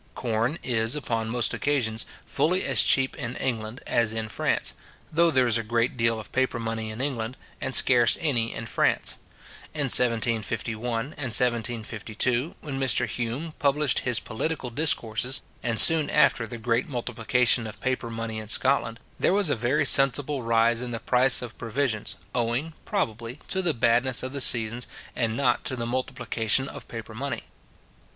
Corn is, upon most occasions, fully as cheap in England as in France, though there is a great deal of paper money in England, and scarce any in France. In 1751 and 1752, when Mr Hume published his Political Discourses, and soon after the great multiplication of paper money in Scotland, there was a very sensible rise in the price of provisions, owing, probably, to the badness of the seasons, and not to the multiplication of paper money.